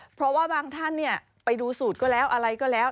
เพราะว่าบางท่านไปดูสูตรก็แล้วอะไรก็แล้ว